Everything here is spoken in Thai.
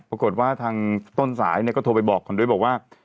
ปรากฏว่าทางต้นสายก็โทรไปบอกก่อนด้วยบอกว่า